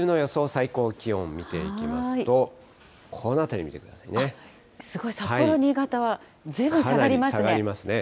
最高気温、見ていきますと、この辺り見てくすごい、札幌、新潟はずいぶかなり下がりますね。